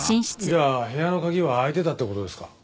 じゃあ部屋の鍵は開いてたって事ですか？